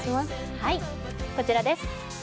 はいこちらです